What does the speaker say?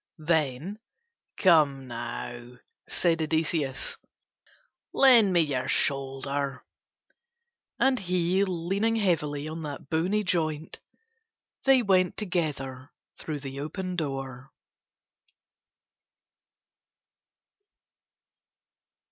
Then "Come now," said Odysseus, "lend me your shoulder," and he leaning heavily on that bony joint, they went together through the open door.